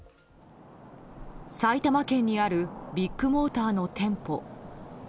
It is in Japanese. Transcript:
埼玉県にあるビッグモーターの店舗。